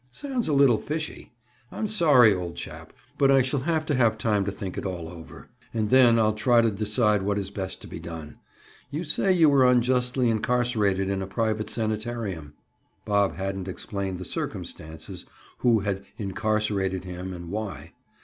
"Sounds a little fishy! I'm sorry, old chap, but I shall have to have time to think it all over. And then I'll try to decide what is best to be done. You say you were unjustly incarcerated in a private sanatorium." Bob hadn't explained the circumstances—who had "incarcerated" him and why.